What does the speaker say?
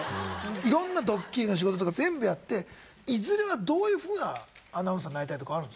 いろんなドッキリの仕事とか全部やっていずれはどういうふうなアナウンサーになりたいとかあるんですか？